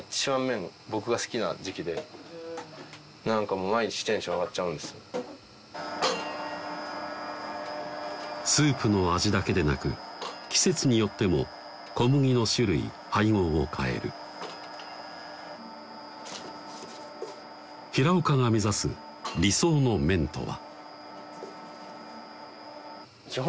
はい生地感がはいスープの味だけでなく季節によっても小麦の種類配合を変える平岡が目指す理想の麺とは？